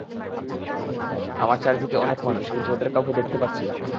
আমার চারদিকে অনেক মানুষ, কিন্তু ওদের কাউকে দেখতে পাচ্ছি না!